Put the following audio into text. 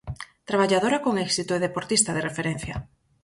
Traballadora con éxito e deportista de referencia.